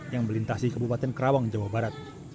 yang melintasi kebupatan karawang jawa barat